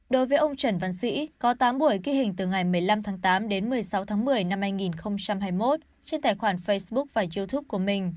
đối với ông trần văn sĩ có tám buổi ghi hình từ ngày một mươi năm tháng tám đến một mươi sáu tháng một mươi năm hai nghìn hai mươi một trên tài khoản facebook và youtube của mình